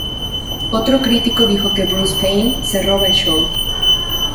Otro crítico dijo que Bruce Payne 'se roba el show.